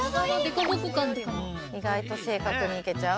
いがいと正確にいけちゃう？